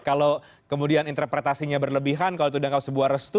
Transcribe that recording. kalau kemudian interpretasinya berlebihan kalau itu dianggap sebuah restu